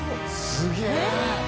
すげえ！